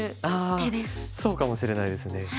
ああそうかもしれないですね。